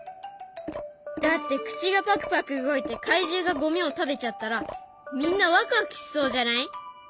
だって口がパクパク動いて怪獣がゴミを食べちゃったらみんなワクワクしそうじゃない？